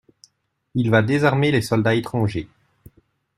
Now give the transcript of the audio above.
Il va désarmer les soldats étrangers.